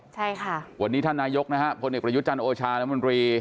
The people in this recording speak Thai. ใช่ค่ะวันนี้ท่านนายกนะฮะพลเอกประยุจันทร์โอชาน้ำมนตรี